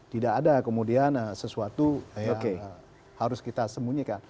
tidak ada kemudian sesuatu yang harus kita sembunyikan